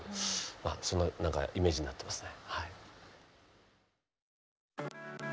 まあそんなイメージになってますね。